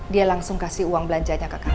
dia langsung kasih uang belanjanya ke kakak